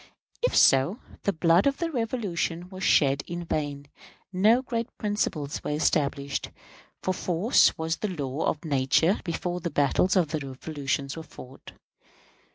If so, the blood of the Revolution was shed in vain; no great principles were established; for force was the law of nature before the battles of the Revolution were fought.